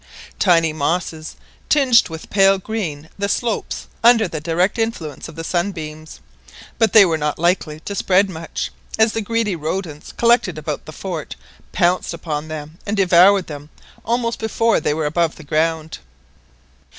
Tiny mosses tinged with pale green the slopes under the direct influence of the sunbeams; but they were not likely to spread much, as the greedy rodents collected about the fort pounced upon and devoured them almost before they were above the ground.